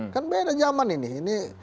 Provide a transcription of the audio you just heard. kan beda jaman ini